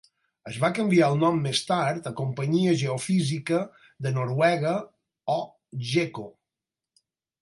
Es va canviar el nom més tard a Companyia Geofísica de Noruega o Geco.